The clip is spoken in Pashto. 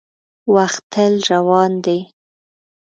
• وخت تل روان دی.